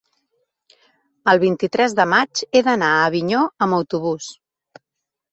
el vint-i-tres de maig he d'anar a Avinyó amb autobús.